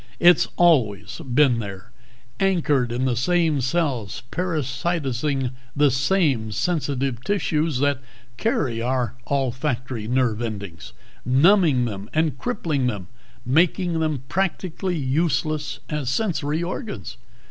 It's always been there, anchored in the same cells, parasitizing the same sensitive tissues that carry our olfactory nerve endings, numbing them and crippling them, making them practically useless as sensory organs.